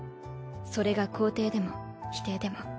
それが肯定でも否定でも。